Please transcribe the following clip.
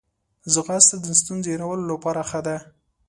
ځغاسته د ستونزو هیرولو لپاره ښه ده